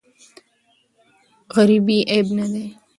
غریبې عیب نه دی.